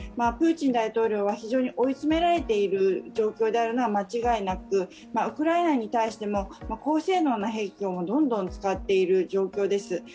プーチン大統領は非常に追い詰められている状況であるのは間違いなくウクライナに対しても、高性能な兵器をどんどん使っているという状況です。